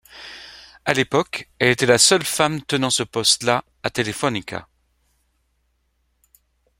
À l'époque, elle est la seule femme tenant ce poste là à Telefónica.